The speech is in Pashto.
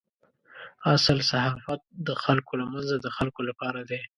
اصل صحافت د خلکو له منځه د خلکو لپاره دی.